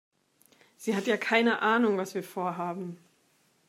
Sie hat ja keine Ahnung, was wir vorhaben.